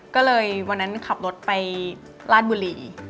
ก็เลยวันนั้นขับรถไปราชบุรี